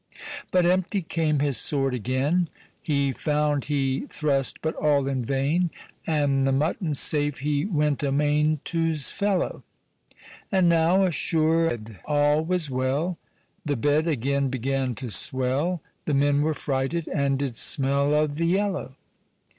But empty came his sword again. He found he thrust but all in vain; An the mutton safe, hee went amain To's fellow. And now (assured all was well) The bed again began to swell, The men were frighted, and did smell O' th' yellow.